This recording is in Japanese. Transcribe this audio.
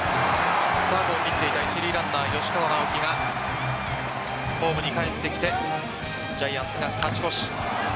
スタートを切っていた一塁ランナー・吉川尚輝がホームにかえってきてジャイアンツが勝ち越し。